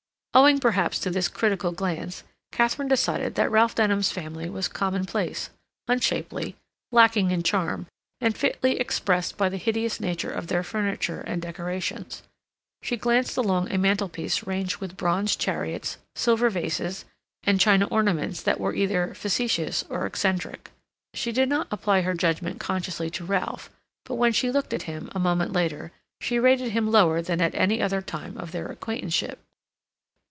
Owing, perhaps, to this critical glance, Katharine decided that Ralph Denham's family was commonplace, unshapely, lacking in charm, and fitly expressed by the hideous nature of their furniture and decorations. She glanced along a mantelpiece ranged with bronze chariots, silver vases, and china ornaments that were either facetious or eccentric. She did not apply her judgment consciously to Ralph, but when she looked at him, a moment later, she rated him lower than at any other time of their acquaintanceship.